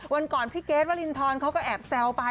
วันก่อนพี่เกรทวรินทรเขาก็แอบแซวไป